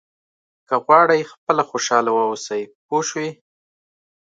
که غواړئ خپله خوشاله واوسئ پوه شوې!.